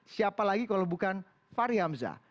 siapa lagi kalau bukan fahri hamzah